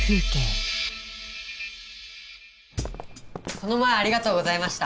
この前ありがとうございました。